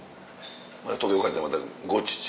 東京帰ったらまた「ゴチ」。